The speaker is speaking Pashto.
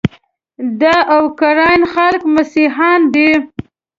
د اوکراین خلک مسیحیان دي.